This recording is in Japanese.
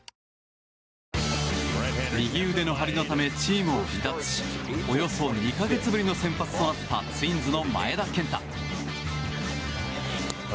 右腕の張りのためチームを離脱しおよそ２か月ぶりの先発となったツインズの前田健太。